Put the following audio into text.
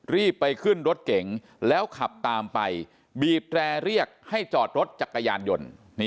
รีบไปขึ้นรถเก๋งแล้วขับตามไปบีบแรเรียกให้จอดรถจักรยานยนต์